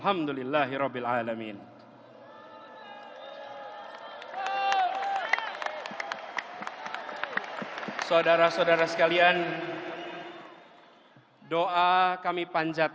jadikan perbedaan antara kami di masa kami kecil